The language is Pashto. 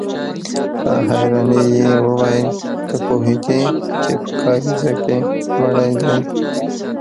په حيرانۍ يې وويل: ته پوهېدې چې په کاريزه کې مړی دی؟